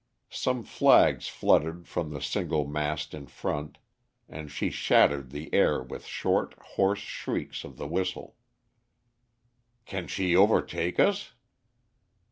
Some flags fluttered from the single mast in front, and she shattered the air with short hoarse shrieks of the whistle. "Can she overtake us?"